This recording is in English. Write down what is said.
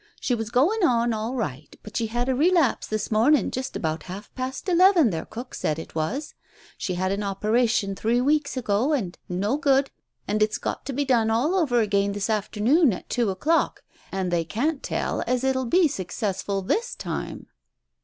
She was going on all right, but she had a relapse this morning, just about half past eleven, their cook said it was. She had an operation three weeks ago, and no good, and it's got to be done all over again this after noon at two o'clock, and they can't tell as it will be successful, this time."